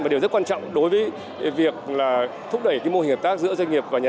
và điều rất quan trọng đối với việc là thúc đẩy mô hình hợp tác